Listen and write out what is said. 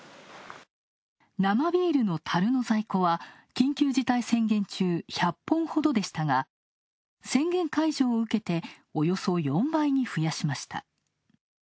生ビールのたるの在庫は、緊急事態宣言中、１００本ほどでしたが、宣言解除を受けて、およそ４倍に増やしました。